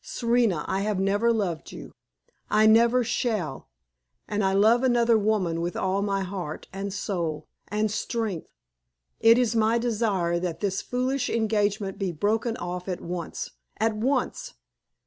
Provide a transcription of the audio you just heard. Serena, I have never loved you I never shall; and I love another woman with all my heart, and soul, and strength! It is my desire that this foolish engagement be broken off at once at once.